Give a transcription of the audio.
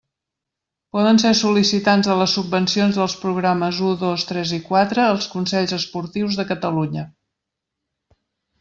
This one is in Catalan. Poden ser sol·licitants de les subvencions dels programes u, dos, tres i quatre els consells esportius de Catalunya.